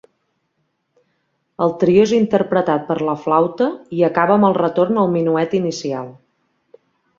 El trio és interpretat per la flauta, i acaba amb el retorn al minuet inicial.